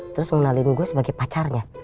terus melalui gue sebagai pacarnya